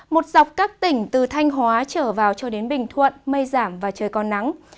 một dọc các tỉnh từ thanh hóa trở vào cho đến bình thuận mây giảm và trời còn nắng